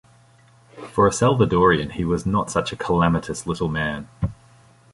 For a Salvadorian he was not such a calamitous little man.